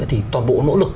thì toàn bộ nỗ lực